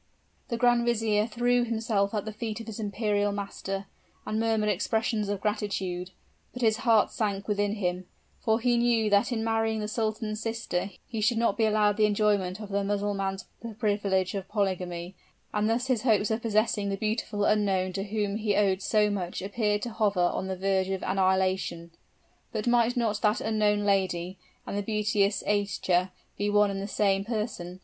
The grand vizier threw himself at the feet of his imperial master, and murmured expressions of gratitude but his heart sank within him for he knew that in marrying the sultan's sister he should not be allowed the enjoyment of the Mussulman privilege of polygamy, and thus his hopes of possessing the beautiful unknown to whom he owed so much appeared to hover on the verge of annihilation. But might not that unknown lady and the beauteous Aischa be one and the same person?